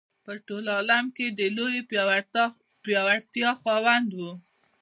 په ټول عالم کې د لویې پیاوړتیا خاوند دی.